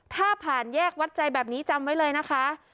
ถ้าผ่านแยกวัดใจแบบนี้จำไว้เลยนะคะ